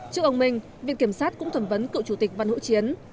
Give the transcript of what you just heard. trước ông minh viện kiểm sát cũng thẩm vấn cựu chủ tịch văn hữu chiến